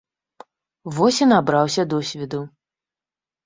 Вось і набраўся досведу.